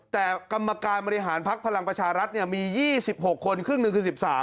แต่กรรมการบริหารพักพลังประชารัฐมี๒๖คนครึ่งหนึ่งคือ๑๓